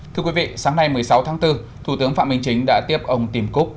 thưa quý vị sáng nay một mươi sáu tháng bốn thủ tướng phạm minh chính đã tiếp ông tim cook